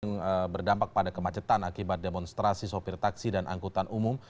yang berdampak pada kemacetan akibat demonstrasi sopir taksi dan angkutan umum